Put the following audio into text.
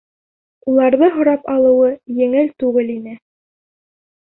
Уларҙы һорап алыуы еңел түгел ине.